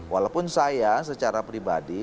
walaupun saya secara pribadi